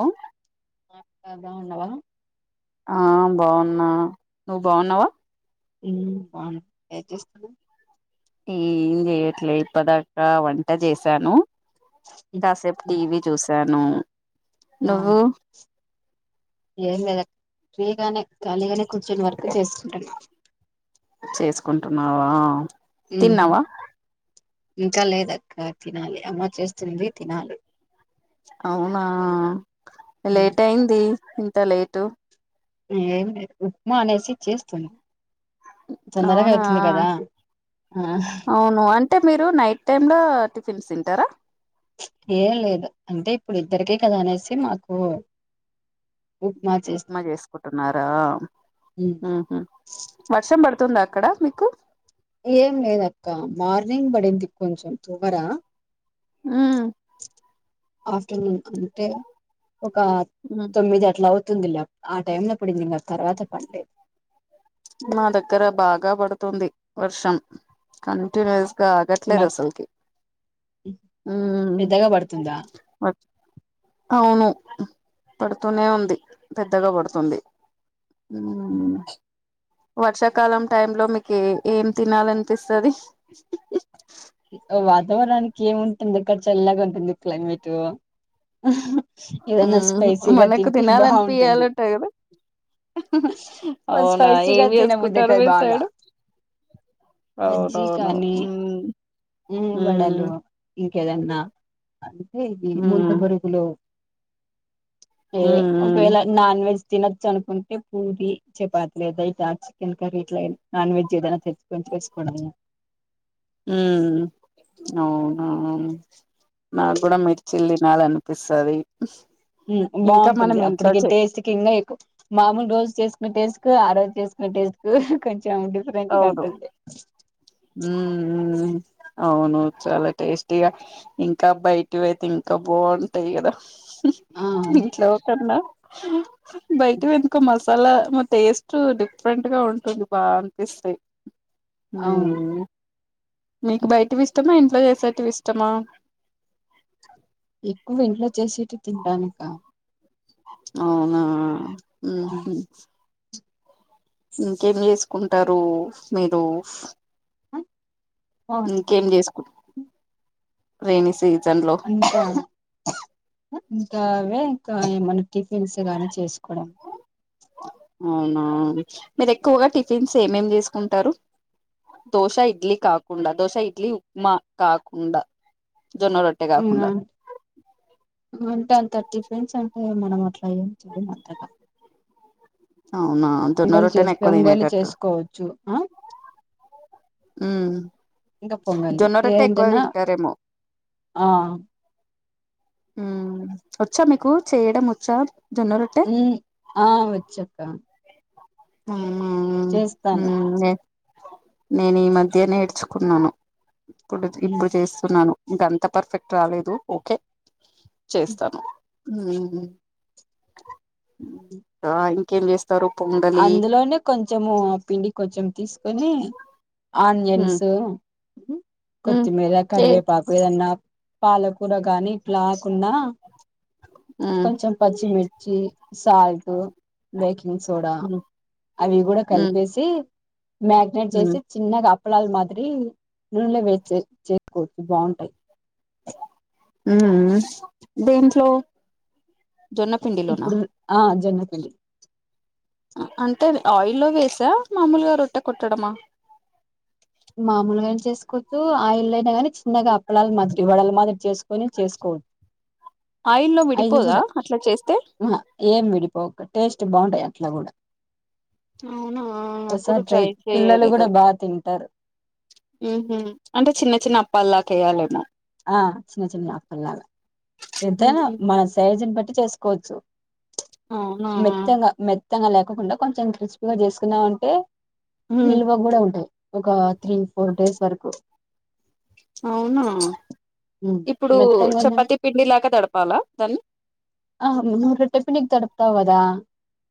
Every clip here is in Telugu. ఓ బాగున్నావా ఆ బాగున్నా నువ్వు బాగున్నావా హు బాగున్నా ఏం చేస్తున్నావ్ ఏం చేయట్లేదు ఇప్పదాకా వంట చేశాను కాసేపు టీవి చూసాను నువ్వు ఏం లేద ఫ్రీగానే ఖాళీగానే కూర్చొని వర్క్ చేసుకుంటాన చేసుకుంటున్నావా ఉహు తిన్నావా ఇంకా లేదక్క తినాలి అమ్మ చేస్తుంది తినాలి అవునా ఉమ్, లేటయింది ఇంత లేటు ఏమి లేదు ఉప్మా అనేసి చేస్తున తొందరగా అవునా అయితుంది కదా ఆ అవును అన్ అంటే మీరు నైట్ టైమ్లో టిఫిన్స్ తింటారా ఏం లేదు అంటే ఇప్పుడు ఇద్దరికె కదా అనేసి మాకు ఉప్మా చేసుకుంటున్నారా ఉహు వర్షం పడుతుందా అక్కడ మీకు ఏం లేదక్క మార్నింగ్ పడింది కొంచెం తువ్వర ఆ ఆఫ్టర్నూన్ తింటే ఒక ఉమ్ తొమ్మిది అట్లా అవ్ తుందిలా ఆ టైమ్లప్పడింది ఇంకా తర్వాత పడ్లేదు మా దగ్గర బాగా పడుతుంది వర్షం కంటిన్యూస్ గా అగట్లేదు మాకు అసల్కి పెద్దగా పడుతుందా వట్ అవును పడుతూనే ఉంది పెద్దగా పడుతుంది ఉ వర్షాకాలం టైం లో మీకు ఏ ఏం తినాలనిపిస్తది హ్ వాతావరణనికి ఏముంటుంది అక్కడ చల్లాగా ఉంటుంది క్లైమేట్ ఏదన్నా మ్ స్పైసీగా మనకు తింటే బావుంటుంది తినాలనిపియాలంటాయి కదా అవునా స్పైసిగా ఏం తిన చేసుకుంటారు బుద్దయితది మీ బాగా సైడు బజ్జి అవునవును కానీ మ్ ఉ వడలు మ్ ఇంకెదన్న అంతే ఈ ముంత మ్ బరుగ్ లో ఏ మ్ ఒకవేళ నాన్ వెజ్ తినొచ్చు అనుకుంటే పూరి చపాతి లేదా చికెన్ కరీ ఇట్లా నాన్ వెజ్ ఏదైనా తెచ్చుకొని చేసుకోడం హ అవున నాకు కూడా మిర్చిల్ తినాలి అనిపిస్తుంది ఉమ్ బాగుంటుంది అప్పటికి టేస్ట్ కింకా ఎక్కు మామూలు రోజు చేసుకునే టేస్ట్ కు ఆ రోజు చేసుకునే టేస్ట్ కు కొంచెం డిఫరెంట్గా ఉంటుంది. హ అవును చాలా టేస్టిగా ఇంకా బయటివి అయితే ఇంకా బాగుంటాయి కదా. ఆ ఇంట్లో కన్నా బైటివి ఎందుకో అలా టేస్ట్ డిఫరెంట్ గా ఉంటుంది బా అనిపిస్తాయి అవును మీకు బయట ఇష్టమా ఇంట్లో చేసేట్వి ఇష్టమా. ఎక్కువ ఇంట్లో చేసేటివి తింట ఇక అవునా మ్ ఇంకేం చేసుకుంటారు మీరు ఇంకేం చేసుకు రెైనీ సీజన్ లో ఇంకా ఇంకా అవే ఇంకా ఏమన్నా టిఫిన్స్ గాని చేసుకోవడం. అవునా మీరు ఎక్కువగా టిఫిన్స్ ఏమేమి తీసుకుంటారు. దోశ ఇడ్లీ కాకుండా దోశ ఇడ్లీ ఉప్మా కాకుండా జొన్న రొట్ట. అవునా అంటే అంత టిఫిన్స్ అంటే మనం అట్లా ఏం చెయ్యం అంతగా [inaudible] అవునా. జొన్న పొంగలు రొట్టెనే చేస్తే ఎక్కువ పొంగల్ తినేటట్టు చేసుకోవచ్చు ఆ. ఉ ఇంకా పొంగలి జొన్నరట్టే ఎక్కువ ఏంటన్నా తింటారేమో ఆ. ఉమ్ వచ్చా మీకు చేయడం వచ్చా జొన్న రొట్ట. మ్ ఆ వచ్చాక్క చేస్తాను అవునా నే నేను ఈ మధ్య నేర్చుకున్నాను. ఇప్పుడు ఇప్పుడు ఉమ్ చేస్తున్నాను ఇంకంత పర్ఫెక్ట్ రాలేదు ఓకే చేస్తాను ఉమ్ ఆ ఇంకేం చేస్తారు పొంగలి అందులోనే కొంచెము పిండి కొంచెం తీసుకొని ఉమ్ ఆనియన్స్ ఉమ్ కొత్తిమీర ఏ కరివేపాకు ఏదన్నా పాలకూర గానీ ఇట్లా కుండ ఉమ్ కొంచెం పచ్చిమిర్చి సాల్టు బేకింగ్ సోడా ఉమ్ అవి గూడా ఉమ్ కలిపేసి మ్యాగ్నేట్ ఉమ్ చేసి చిన్నగా అప్పలాల మాదిరి నూనెలో వేసి చేసుకోవచ్చు బావుంటాయి దేంట్లో జొన్న పిండిలోనా ఇప్పుడు ఆ జొన్న పిండి అంటే ఆయిల్లో వేసా మామూలుగా రొట్టె కొట్టడమా మామూలుగా అయినా చేసుకోవచ్చు ఆయిల్ ఐనా గానీ చిన్నగా అప్పలాలు మాదిరి వడల మాదిరి చేసు కొని చేసుకో ఆయిల్లో అయ్యి విడిపోదా గూడా అట్లా చేస్తే ఏం విడిపోక టేస్ట్ బావుంటాయి అట్ల గూడా అవునా ఎప్పుడు ట్రై పిల్లలు చేయలేదు కూడా బాగా తింటారు అంటే చిన్న చిన్న అప్పాల్లాక ఎయ్యాలేమో ఆ చిన్న చిన్న అప్పల్లాగా ఎంతైనా ఉహు మన సైసుని బట్టి చేసుకోవచ్చు అవునా మెత్తగా మె త్తగా లేకోకుండా కొంచెం క్రిస్పీగా చేసుకున్నామంటే ఉ నిల్వ కూడా ఉంటాయి ఒక త్రీ ఫోర్ డేస్ వరకూ అవునా ఇప్పుడు మెత్తంగా చపాతి పిండి లాకా దడపాలా దాన్ని ఆహా ముందు ము రొట్టె పిండికి తడుపుతావు గదా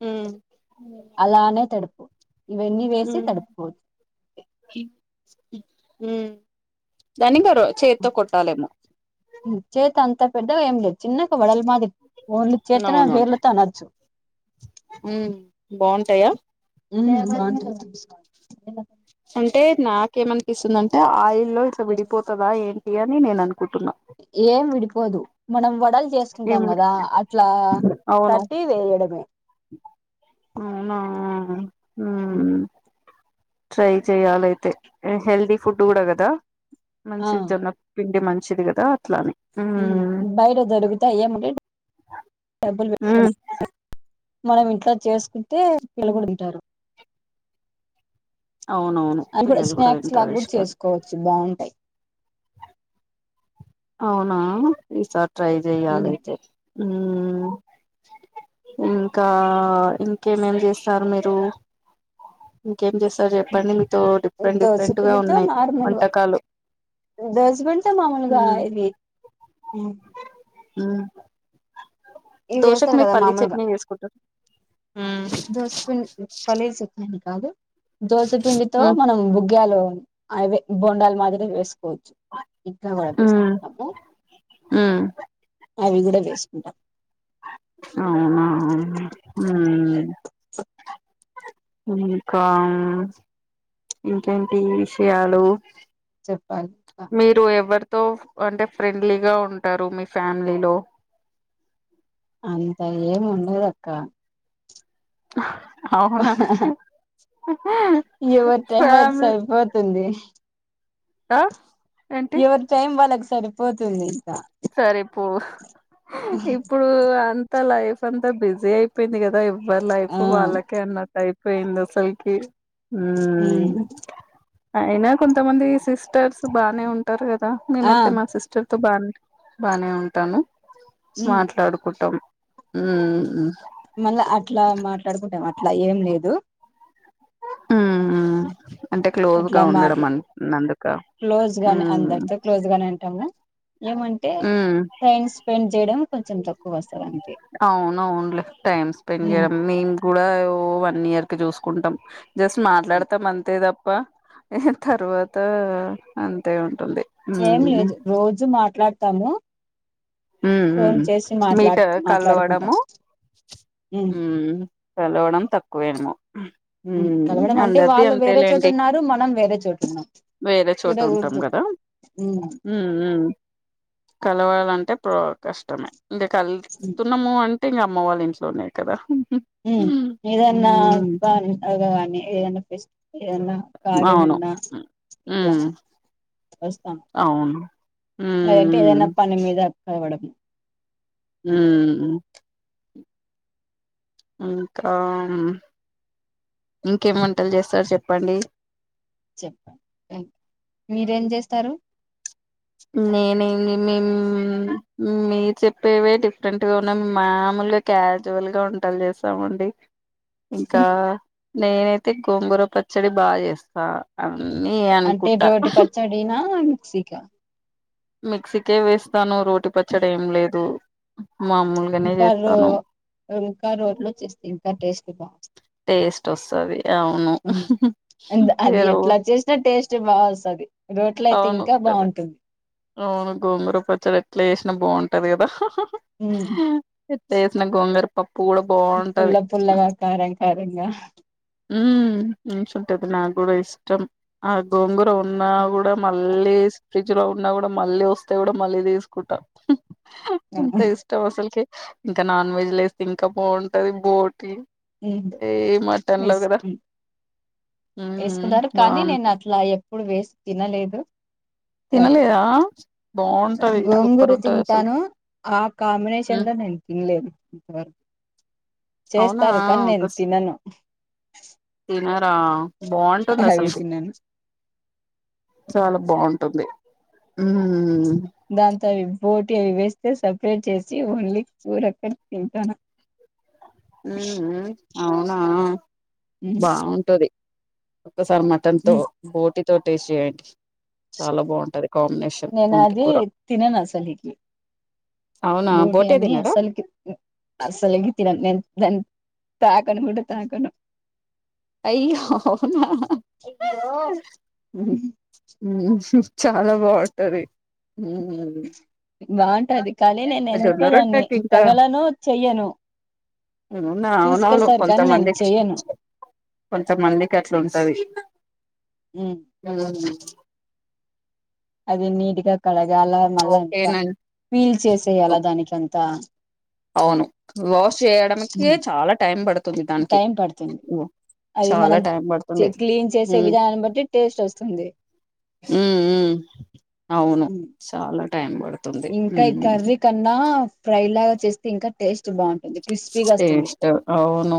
ఊ లానే తడుపు ఇవన్నీ వేసి తడుపుకోవు ఊ దాన్ని ఇంక రో చేతితో కొట్టాలేమో చేత్తో అంత పెద్దగా ఏం లేదు చిన్న వడలు మాది ఓన్లీ చేత్తనొ వేర్లతో అనచ్చు ఊ బావుంటాయా ఊ [unintelligible] అంటే నాకేమనిపిస్తుందంటే ఆయిల్ లో ఇట్లా విడిపో తదా ఏంటి అని నేను అనుకుంటున్నా ఏం విడిపోదు మనం వడల్ చేసుకుంటాం ఏమిటి గదా అట్లా అవును తట్టి వేయడమే అవునా ఊ ట్రై చెయ్యాలి అయితే ఏ హెల్దీ ఫుడ్ కూడా కదా ఆ మంచిది జొన్న పిండి మంచిది గదా అట్లానే ఊ బయట దొరుకుతాయి ఏమంటే డబ్బులు పెట్టు మ్మ్ [unintelligible] మనం ఇంట్లో చేసుకుంటే [inaudible] తింటారు అవునవును అంటే పిల్లలు కూడా స్నాక్స్ లాగా తింటారు కూడా ఇష్టం చేసుకోవచ్చు బావుంటాయి అవునా ఈసారి ట్రై చెయ్యాలి అయితే ఊ ఇంకా ఇంకేమేం చేస్తారు మీరు ఇంకేం చేస్తారు చెప్పండి మీతో డిఫరెంట్ డిఫరెంట్ గా ఉన్నాయి వంటకాలు దోసె పిండి తో మామూలుగా ఇవి ఊ ఇవి దోశకు వేస్తారు మీకు కదా పల్లీ మామూలుగా చట్నీ చేసుకుంటా ఊ దోసపిండి పల్లీ చట్ని అని కాదు దోసె పిండితో మ్మ్ మనం బుగ్గాలు అవే బొండాలు మాదిరి వేసుకోవచ్చు ఇంట్లో కూడా వేసుకుంటాము ఊ అవి కూడా వేసుకుంటా అవునా ఉమ్, మ్మ్ ఇంకా ఇంకేంటి విషయాలు చెప్పాల్ మీరు ఎవరితో అంటే ఫ్రెండ్లీగా ఉంటారు మీ ఫ్యామిలీలో అంత ఏం ఉండదు అక్క అవునా [unintelligible] టైం వా [unintelligible] ఫ్యామిలీ సరిపోతుంది ఆ ఏంటి ఎవరి టైం వాళ్ళకి సరిపోతుంది ఇంక సరే పు ఇప్పుడు అంతా లైఫ్ అంత బిజీ అయిపోయింది కదా [unintelligible] లైఫ్ ఆ వాళ్ళకే అన్నట్ అయిపోయింది అసలకి ఉమ్ అయినా కొంతమంది సిస్టర్స్ బానే ఉంటారు కదా ఆ మేమైతే మా సిస్టర్తో బానే బానే ఉంటాను ఉమ్ మాట్లాడుకుంటం మళ్ళ అట్ల మాట్లాడుకుంటాం అట్లా ఏం లేదు అంటే క్లోజ్గ అట్లా ఉండడం మాట్లా క్లోజ్ గానే అందరితో [unintelligible] క్లోజ్ గానే ఉంటాము ఏమంటే ఉమ్ టైం స్పెండ్ చేయడం కొంచెం తక్కువ వస్ [unintelligible] అవును అవును లే టైమ్ స్పెండ్ ఉమ్ [unintelligible] కూడ ఓ వన్ ఇయర్కి చూసుకుంటాం జస్ట్ ఉమ్. మాట్లాడతాం అంతే తప్ప తర్వాత అంతే ఉంటుంది ఉమ్ ఏం లేదు రోజు మాట్లాడతాము ఫోన్ చేసి మాట్లాడు [unintelligible] మాట్లాడుకుంటాం కళవడము ఉమ్ కలవడం తక్కువ ఏమో కలవడం అంటే వాళ్ళు వేరే చోట ఉన్నారు మనం వేరే చోటు ఉన్నాం వేరే చోట ఉంటాం కదా ఉ కలవాలంటే కష్టమే ఇంక ఉమ్ కలుస్తున్నాము అం ఇంగ అమ్మ వాళ్ళ ఇంట్లోనే కదా ఇన్న హ్మ్ అగవా ఇన్న ఫెస్ [unintelligible] కార్యం ఉన్న హు వస్తాం లేదంటే హ్మ్ ఏదైన పని మీద కాలవడం ఉ ఇంకా ఇంకేమి వంటలు చేస్తారు చెప్పండి మీరేం చేస్తారు నేనే మేము మీ చెప్పేవే డిఫరెంట్ గా ఉన్నా మామూలుగా క్యాజువల్గా వంటలు చేస్తామండి ఇంకా నేనైతే గోంగూర పచ్చడి బాగ చేస్తా అన్నీ అనుకుంట [unintelligible] మిక్సిక మిక్సీకే వేస్తాను రోటి పచ్చడి ఏం లేదు మామూలు ఇంకా రో ఇంక రోడ్లు చ్చేస్తే ఇంకా టేస్ట్ బా టేస్ట్ వస్తది అవును అది ఏరో ఎట్ల చేసినా టేస్ట్ బావస్తది రోట్లో అయితే అవును ఇంకా కదా బాటుంది అవును గోంగుర పచ్చడి ఎట్ల చేసినా బాగుంటది కదా ఉ ఎట్ వేసిన గోంగర పప్పు గూడం పుల్ల పుల్లగా, కారం కారంగా ఉ మంచుంటది నాకు కూడా ఇష్టం ఆ గోంగూర ఉన్నా కూడా మ మళ్ళీ ఫ్రిడ్జ్ లో ఉన్నా కూడా మళ్ళీ వస్తే కూడా మళ్ళీ తీసుకుంటాం హ్హ్ ఎంత ఇ ఇష్టం అసలుకి ఇంకా నాన్ వెజ్ లో ఏస్తే ఇంకా బావుంటది బోటి మ్ ఈ మటన్ లో కదా ఎస్బి ఉమ్ వేసుకున్నారు కానీ నేను బాగుంటది అట్లా ఎప్పుడు వేసి తినలేదు. వాటి తినలేదా బావుంటది గోంగూర సూపర్ ఉంటది అసలుకి తింటాను ఆ కాంబినేషన్ ఉమ్ లో నేను తినలేదు ఉ అవునా చేస్తారు కానీ నేను తినను తినారా బావుంటుంది అవి అసలుకి తినను చాలా బావుం టుంది మ్ దాంతో అవి బోటీ అవి వేస్తే సపరేట్ చేసి ఓన్లీ కూరక్కడ తింటాను. మ్ మ్ అవునా ఉమ్, బావుంటది ఒక్కసారి మ అత్తన్తో ఉమ్. బోటితో టేస్ట్ చేయండి చాలా బావుంటది కాంబినేషన్. నేను పుంటి అది కూర తినను అసలుకి అవునా బోటి బోటే అని తినరా అసలుకి అస్సలుకి తినను నేను దాన్ని తాకను కూడా తాకను. అయ్యో హ్హ్హ్హ్ అయ్యో మ్ హ్హ్ చాలా బావుంటది మ్ బావుంటది కానీ నేను ఎందుకో జొన్న దాన్ని రొట్టెకి ఇంకా తగలను, చెయ్యను. అవునా అవునవును తీసుకొస్తారు కానీ నేను కొంతమందికి చెయ్యను కొంతమందికి అట్లా ఉంటది. హ ఆ అది నీట్గా కడగాల మళ్ళా అంత ఓకేనండి ఫీల్ చేసేయాల ఓహ్! దానికి అంత అవును వాష్ చేయడానికే చాలా టైం పడుతుది. టైం పడుతది అది మనం టైం చే పడుతుంది క్లీన్ చేసే ఉమ్ విధానన్ని బట్టి టేస్ట్ వస్తుంది. ఉ ఉ అవును చాలా టైం పడుతుంది ఇంకా ఉ కర్రీ కన్నా ఫ్రై లాగా చేస్తే ఇంకా టేస్ట్ బాగుంటుంది క్రిస్పీగా వస్తుంది టేస్టో అవును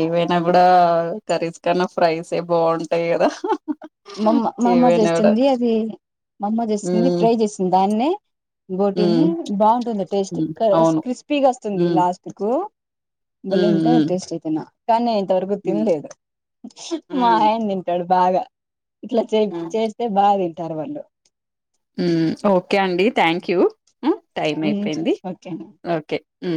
ఏవైనా కూడా కర్రీస్ కన్నా ఫ్రైస్ బావుంటాయి కదా హ్హ్ మామ్మ మామ్మ చేస్తుంది అది మామ్మ చేస్తుంది ఉమ్ ఫ్రై చేస్తుంది దాన్నే బోటిని ఉమ్ బావుంటుంది టేస్ట్ ఉమ్ అవును క్రిస్పీగా వస్తుంది హ్మ్ లాస్ట్ కు బలే హ్మ్ ఉంటాయ్ హ్మ్ టేస్ట్ అయితేనా కానీ నేను ఇంతవరకు హ్మ్ తినలేదు మా హ్మ్ ఆయన తింటాడు బాగా ఇట్లా చే హ్మ్ చేస్తే బాగా తింటారు వాళ్ళు మ్ ఓకే అండి థ్యాంక్ యూ ఉ టైం అయిపోయింది ఓకే అండి. ఓకే ఉ